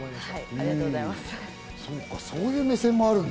ありがとうございます。